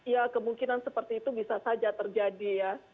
ya kemungkinan seperti itu bisa saja terjadi ya